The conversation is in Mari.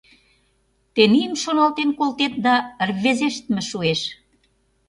Тенийым шоналтен колтет да, рвезештме шуэш.